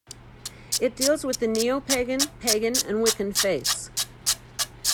It deals with the Neopagan, Pagan, and Wiccan faiths.